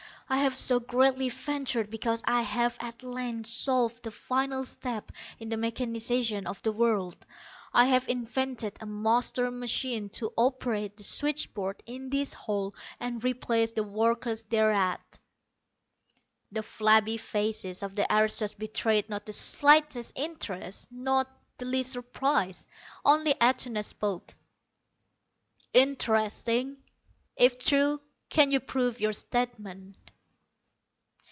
I have so greatly ventured because I have at length solved the final step in the mechanization of the world. I have invented a master machine to operate the switchboards in this hall and replace the workers thereat." The flabby faces of the aristos betrayed not the slightest interest, not the least surprise. Only Atuna spoke: "Interesting, if true. Can you prove your statement?"